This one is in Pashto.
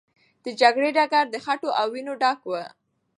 د جګړې ډګر د خټو او وینو ډک و.